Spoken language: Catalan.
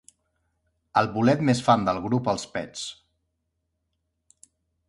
El bolet més fan del grup Els Pets.